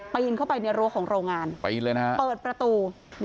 ไปยินเข้าไปในรัวของโรงงานเปิดประตู